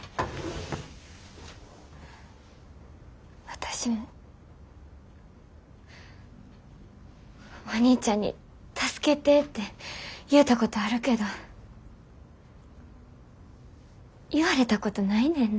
私もお兄ちゃんに助けてって言うたことあるけど言われたことないねんな。